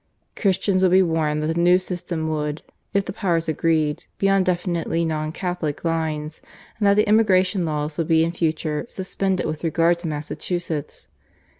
Christians would be warned that the new system would, if the Powers agreed, be on definitely non Catholic lines, and that the immigration laws would be in future suspended with regard to Massachusetts.